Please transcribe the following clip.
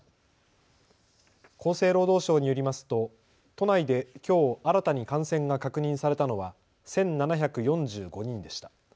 厚生労働省によりますと都内できょう新たに感染が確認されたのは１７４５人でした。